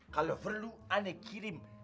kalo perlu anak kirim